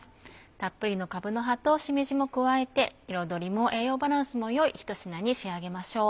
たっぷりのかぶの葉としめじも加えて彩りも栄養バランスも良い一品に仕上げましょう。